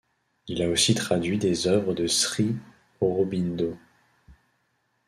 Il a aussi traduit des œuvres de Sri Aurobindo.